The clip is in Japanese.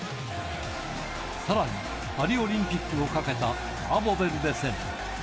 さらに、パリオリンピックをかけたカーボベルデ戦。